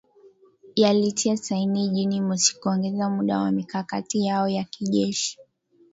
yalitia saini Juni mosi kuongeza muda wa mikakati yao ya kijeshi